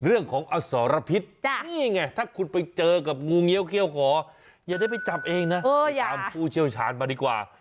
เรื่องของอสรพิษนี่ไงถ้าคุณไปเจอกับงูเงี้ยเขี้ยวขออย่าได้ไปจับเองนะตามผู้เชี่ยวชาญมาดีกว่า